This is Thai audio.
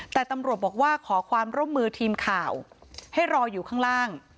แต่ตำรวจบอกว่าขอความร่วมมือทีมข่าวให้รออยู่ข้างล่าง